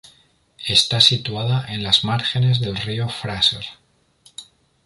Está situada en las márgenes del río Fraser.